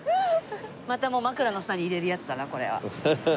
またもう枕の下に入れるやつだなこれは。